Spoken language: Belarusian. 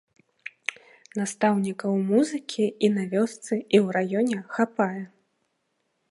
Настаўнікаў музыкі і на вёсцы, і ў раёне хапае.